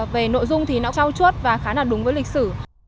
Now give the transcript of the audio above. về nội dung thì nó trao chuốt và khá là đúng với lịch sử